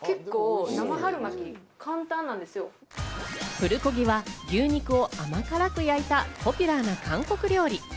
プルコギは牛肉を甘辛く焼いたポピュラーな韓国料理。